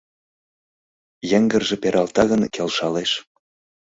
Йыҥгырже пералта гын, келшалеш.